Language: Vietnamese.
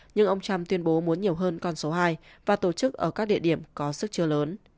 nhưng ông trump tuyên bố muốn nhiều hơn con số hai và tổ chức ở các địa điểm có sức chứa lớn